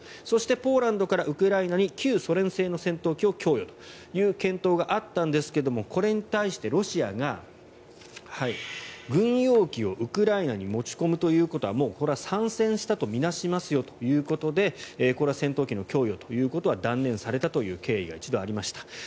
そしてポーランドからウクライナに旧ソ連製の戦闘機を供与という検討があったんですがこれに対してロシアが軍用機をウクライナに持ち込むということはもうこれは参戦したと見なしますよということでこれは戦闘機の供与ということは断念されたという経緯が一度ありました。